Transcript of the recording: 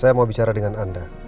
saya mau bicara dengan anda